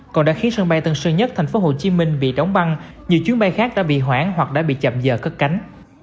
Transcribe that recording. còn đã khiến sân bay tân sơ nhất thành phố hồ chí minh bị đóng băng nhiều chuyến bay khác đã bị hoãn hoặc đã bị chậm giờ cất cánh